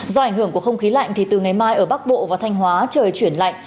do ảnh hưởng của không khí lạnh thì từ ngày mai ở bắc bộ và thanh hóa trời chuyển lạnh